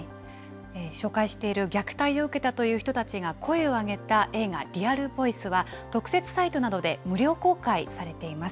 紹介している虐待を受けたという人たちが声を上げた映画、ＲＥＡＬＶＯＩＣＥは、特設サイトなどで無料公開されています。